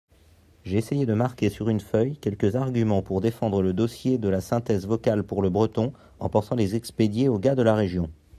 J'ai essayé de marquer sur une feuille quelques arguments pour défendre le dossier de la synthèse vocale pour le breton, en pensant les expédier aux gars de la Région.